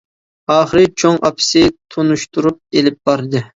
ئاخىرى چوڭ ئاپىسى تونۇشتۇرۇش ئېلىپ باردى.